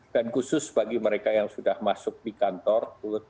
dan khusus bagi mereka yang sudah masuk di masyarakat